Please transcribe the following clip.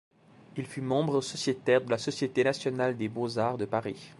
Il fut membre sociétaire de la Société nationale des beaux-arts de Paris.